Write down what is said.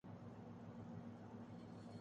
احتساب عدالت میں ان کے خلاف ریفرنس جاری ہیں۔